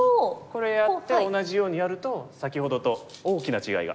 これやって同じようにやると先ほどと大きな違いが。